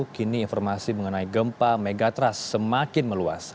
kini informasi mengenai gempa megatrust semakin meluas